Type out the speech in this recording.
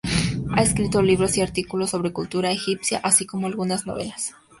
Ha escrito libros y artículos sobre cultura egipcia, así como algunas novelas.